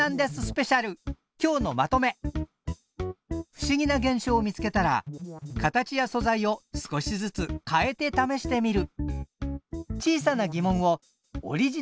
不思議な現象を見つけたら形や素材を少しずつ変えて試してみる。